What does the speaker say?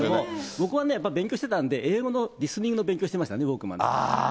僕はね、やっぱり勉強してたんで、英語のリスニングの勉強してましたね、ウォークマンで。